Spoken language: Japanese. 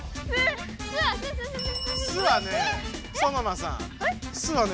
「す」はねソノマさん「す」はね